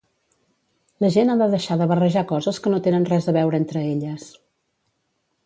La gent ha de deixar de barrejar coses que no tenen res a veure entre elles.